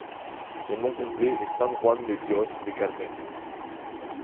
Son nom complet est San Juan de Díos de Cárdenas.